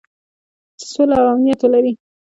چې سوله او امنیت ولري.